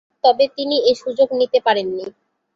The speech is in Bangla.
তবে, তিনি এ সুযোগ নিতে পারেননি।